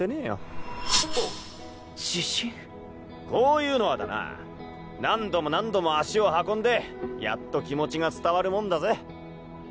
こういうのはだな何度も何度も足を運んでやっと気持ちが伝わるもんだぜ。